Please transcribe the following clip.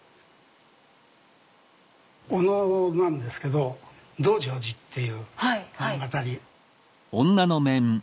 能なんですけど「道成寺」っていう物語。